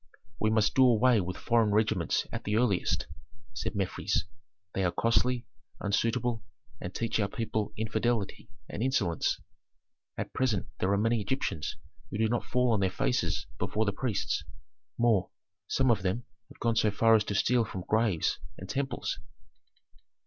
"We must do away with foreign regiments at the earliest," said Mefres. "They are costly, unsuitable, and teach our people infidelity and insolence. At present there are many Egyptians who do not fall on their faces before the priests; more, some of them have gone so far as to steal from graves and temples."